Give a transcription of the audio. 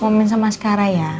komen sama askara ya